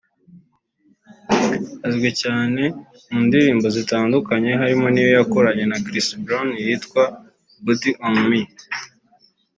Azwi cyane mu ndirimbo zitandukanye harimo n’iyo yakoranye na Chris Brown yitwa “Body On Me”